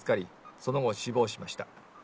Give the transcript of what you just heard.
その後死亡しました